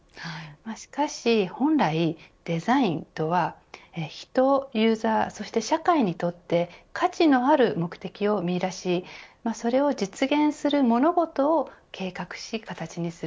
しかし、本来デザインとは人、ユーザーそして社会にとって価値のある目的を見い出しそれを実現する物事を計画し、形にする。